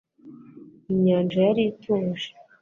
inyanja yari ituje